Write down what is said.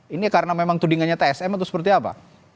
ini karena memang tudingannya tsm atau seperti apa